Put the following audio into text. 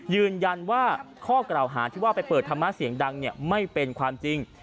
ยืนยันว่าข้อกล่าวหาที่ว่าไปเปิดธรรมะเสียงดังไม่เป็นความจริง